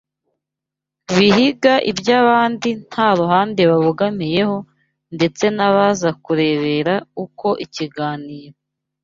bihiga iby’abandi nta ruhande babogamiyeho ndetse n’abaza kurebera uko ikiganiro